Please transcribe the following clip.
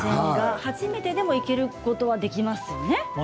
初めてでもできることはできますね。